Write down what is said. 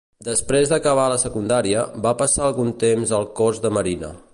Després d'acabar la secundària, va passar algun temps al Cos de Marina.